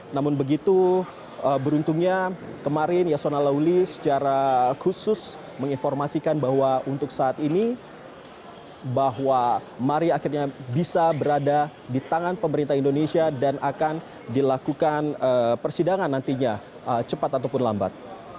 namun begitu beruntungnya kemarin yasona lauli secara khusus menginformasikan bahwa untuk saat ini bahwa mari akhirnya bisa berada di tangan pemerintah indonesia dan akan dilakukan persidangan nantinya cepat ataupun lambat